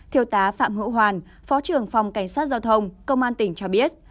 thiêu tá phạm hữu hoàn phó trưởng phòng cảnh sát giao thông công an tỉnh cho biết